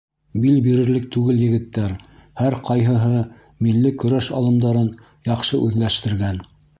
Бил бирерлек түгел егеттәр, һәр ҡайһыһы милли көрәш алымдарын яҡшы үҙләштергән.